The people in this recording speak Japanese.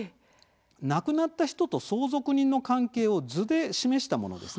亡くなった人と相続人の関係を図で示したものです。